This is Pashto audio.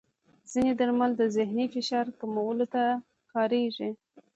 ځینې درمل د ذهني فشار کمولو ته کارېږي.